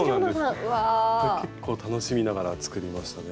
結構楽しみながら作りましたね。